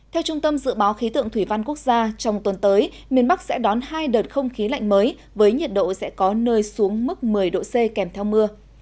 theo trung tâm dự báo khí tượng thủy văn quốc gia trong tuần tới miền bắc sẽ đón hai đợt không khí lạnh mới với nhiệt độ sẽ có nơi xuống mức một mươi độ c kèm theo mưa